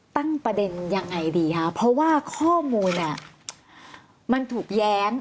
ตั้งประเด็นยังไงดีคะเพราะว่าข้อมูลมันถูกแย้ง